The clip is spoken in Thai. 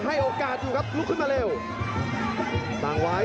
อ้าวพยายามจะเสียบด้วยสองซ้าย